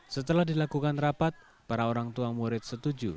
setelah dilakukan rapat para orang tua murid setuju